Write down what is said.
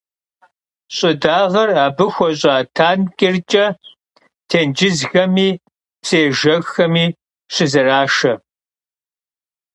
Ş'ıdağer abı xueş'a tankêrç'i têncızxemi psıêjjexxemi şızeraşşe.